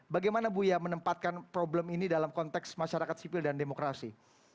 bagaimana buya menempatkan problem ini dalam konteks masyarakat sipil dan demokrasi